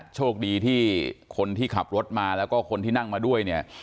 โชคดีที่คนที่ขับรถมาแล้วก็คนที่นั่งมาด้วยเนี่ย